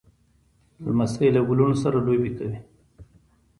لمسی له ګلونو سره لوبې کوي.